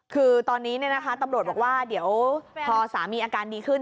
คือตอนนี้ตำรวจบอกว่าเดี๋ยวพอสามีอาการดีขึ้น